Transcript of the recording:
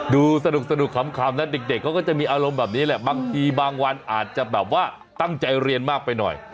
ดูสนุกขำนะเด็กเขาก็จะมีอารมณ์แบบนี้แหละบางทีบางวันอาจจะแบบว่าตั้งใจเรียนมากไปหน่อย